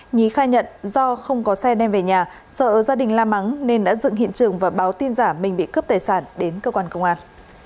nhí khai nhận do không có xe đem về nhà sợ gia đình la mắng nên đã dựng hiện trường và báo tin giả mình bị cướp tài sản đến cơ quan công an